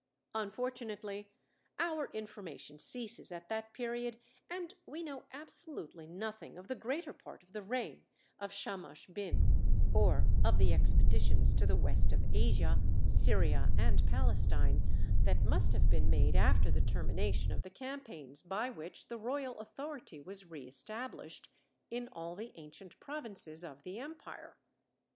Unfortunately our information ceases at that period and we know absolutely nothing of the greater part of the reign of Shamash Bin, or of the expeditions to the west of Asia, Syria, and Palestine, that must have been made after the termination of the campaigns by which the royal authority was reëstablished in all the ancient provinces of the empire.